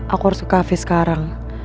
aku harus ke kafe sekarang